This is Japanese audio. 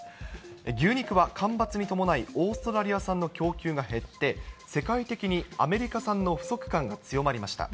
牛肉は干ばつに伴い、オーストラリア産の供給が減って、世界的にアメリカ産の不足感が強まりました。